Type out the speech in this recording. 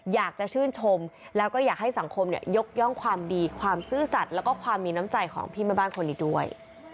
อยากจะชื่นชมแล้วก็อยากให้สังคมยกย่องความดีความซื่อสัตว์แล้วก็ความมีน้ำใจของพี่แม่บ้านคนนี้ด้วย